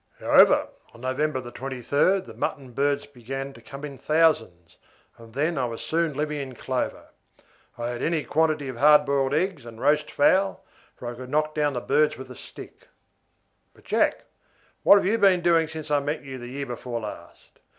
However, on November 23rd the mutton birds began to come in thousands, and then I was soon living in clover. I had any quantity of hard boiled eggs and roast fowl, for I could knock down the birds with a stick. "But, Jack, what have you been doing since I met you the year before last?